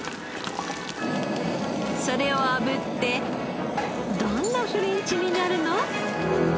それを炙ってどんなフレンチになるの？